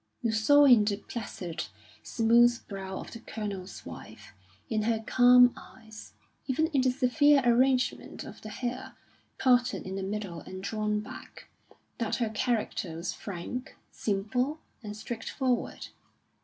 You saw in the placid, smooth brow of the Colonel's wife, in her calm eyes, even in the severe arrangement of the hair, parted in the middle and drawn back, that her character was frank, simple, and straightforward.